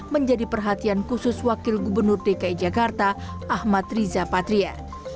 menjadi perhatian khusus wakil gubernur dki jakarta ahmad riza patria